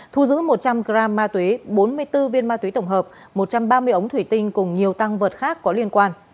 thu giữ một trăm linh g ma túy bốn mươi bốn viên ma túy tổng hợp một trăm ba mươi ống thủy tinh cùng nhiều tăng vật khác có liên quan